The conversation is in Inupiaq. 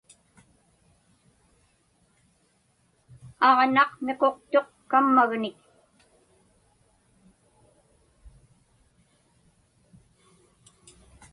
Aġnaq miquqtuq kammagnik.